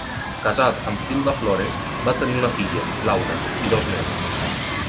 Casat amb Hilda Flores, va tenir una filla, Laura, i dos néts.